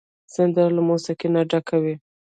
سندره له موسیقۍ نه ډکه وي